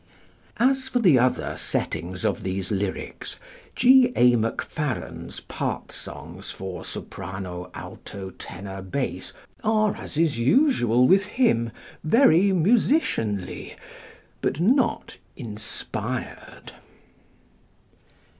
As for the other settings of these lyrics, +G. A. Macfarren's+ part songs for S.A.T.B. are, as is usual with him, very musicianly but not inspired.